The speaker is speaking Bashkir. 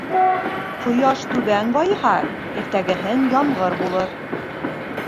Ҡояш түбән байыһа, иртәгеһен ямғыр булыр.